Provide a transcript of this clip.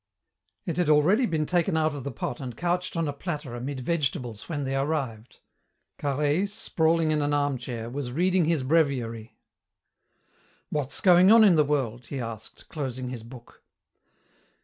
It had already been taken out of the pot and couched on a platter amid vegetables when they arrived. Carhaix, sprawling in an armchair, was reading his breviary. "What's going on in the world?" he asked, closing his book.